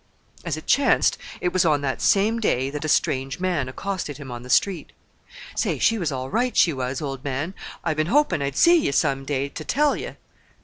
As it chanced, it was on that same day that a strange man accosted him on the street. "Say, she was all right, she was, old man. I been hopin' I'd see ye some day ter tell ye."